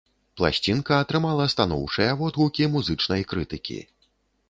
Пласцінка атрымала станоўчыя водгукі музычнай крытыкі.